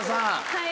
はい。